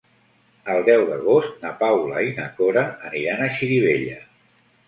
El deu d'agost na Paula i na Cora aniran a Xirivella.